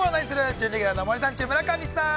準レギュラーの森三中、村上さん。